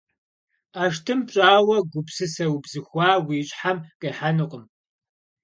ӀэштӀым пщӀауэ гупсысэ убзыхуа уи щхьэм къихьэнукъым.